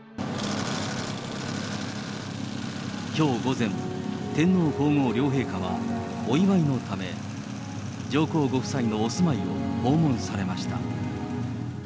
きょう午前、天皇皇后両陛下はお祝いのため、上皇ご夫妻のお住まいを訪問されました。